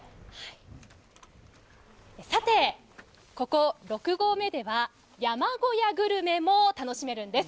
さて、ここ６合目では山小屋グルメも楽しめるんです。